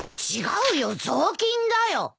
違うよ雑巾だよ。